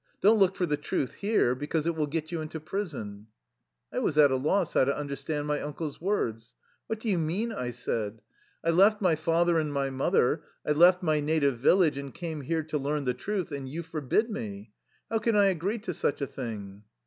Don't look for the truth here, because it will get you into prison." I was at a loss how to understand my uncle's words. "What do you mean?" I said. "I left my father and my mother, I left my native village, and came here to learn the truth and you forbid me. How can I agree to such a thing?